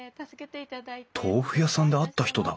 あっ豆腐屋さんで会った人だ！